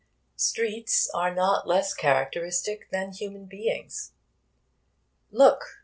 Streets are not less characteristic than human beings. 'Look!'